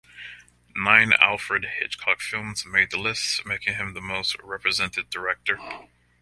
Nine Alfred Hitchcock films made the list, making him the most represented director.